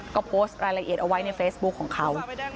ก็โพสต์รายละเอียดเอาไว้ในเฟซบุ๊คของเขา